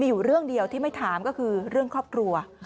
อยู่เรื่องเดียวที่ไม่ถามก็คือเรื่องครอบครัว